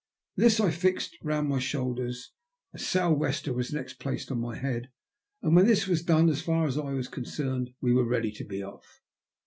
This I fixed round my shoulders. A sou'wester was next placed upon my head, and when this was done, as far as I was concerned, we were ready to be off.